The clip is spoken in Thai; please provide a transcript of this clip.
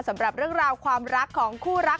สำหรับเรื่องราวความรักของคู่รัก